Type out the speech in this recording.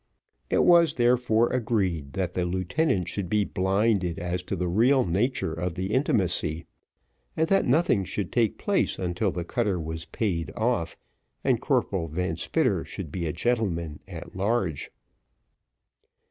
It was therefore agreed that the lieutenant should be blinded, as to the real nature of the intimacy, and that nothing should take place until the cutter was paid off, and Corporal Van Spitter should be a gentleman at large.